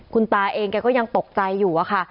คุณตาเองแกก็ยังตกใจอยู่อะค่ะ